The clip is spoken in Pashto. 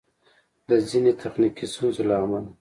د ځیني تخنیکي ستونزو له امله